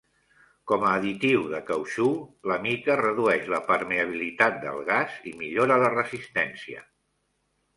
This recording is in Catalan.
Com a additiu de cautxú, la mica redueix la permeabilitat del gas i millora la resistència.